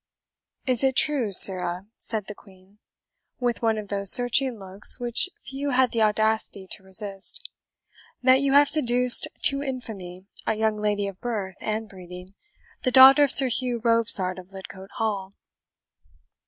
"Is it true, sirrah," said the Queen, with one of those searching looks which few had the audacity to resist, "that you have seduced to infamy a young lady of birth and breeding, the daughter of Sir Hugh Robsart of Lidcote Hall?"